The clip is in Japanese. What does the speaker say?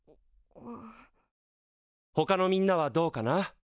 ほかのみんなはどうかな？